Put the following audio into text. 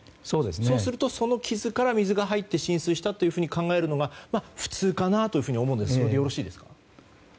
そうするとその傷から水が入って浸水したと考えるのが普通かなと思うんですがよろしいですか？